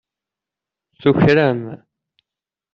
Tuker-am.